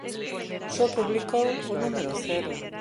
Só publicou o número cero.